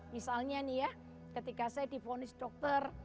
misalnya nih ya ketika saya difonis dokter